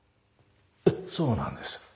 ええそうなんです。